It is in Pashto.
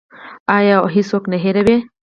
آیا او هیڅوک نه هیروي؟